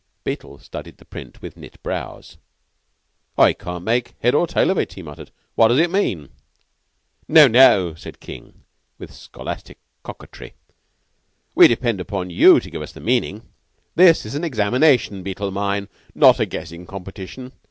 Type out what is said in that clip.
Beetle studied the print with knit brows. "I can't make head or tail of it," he murmured. "What does it mean?" "No, no!" said King, with scholastic coquetry. "We depend upon you to give us the meaning. This is an examination, Beetle mine, not a guessing competition.